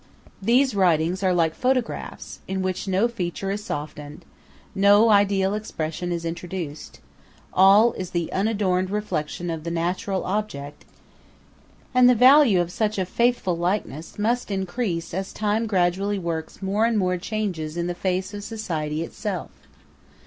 These writings are like photographs, in which no feature is softened; no ideal expression is introduced, all is the unadorned reflection of the natural object; and the value of such a faithful likeness must increase as time gradually works more and more changes in the face of society itself.